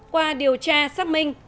qua điều tra xác minh